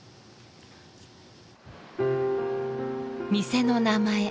店の名前